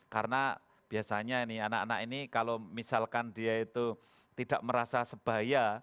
karena biasanya ini anak anak ini kalau misalkan dia itu tidak merasa sebaya